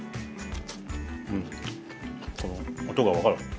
うん音が分かる。